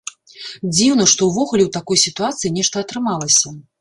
Дзіўна, што ўвогуле ў такой сітуацыі нешта атрымалася.